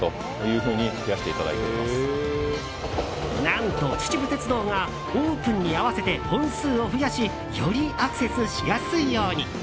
何と、秩父鉄道がオープンに合わせて本数を増やしよりアクセスしやすいように。